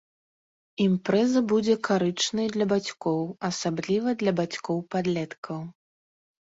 Імпрэза будзе карычнай для бацькоў, асабліва для бацькоў падлеткаў.